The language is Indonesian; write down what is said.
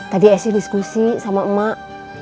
tadi esy diskusi sama emak